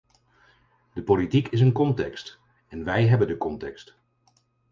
De politiek is een context, en wij hebben de context.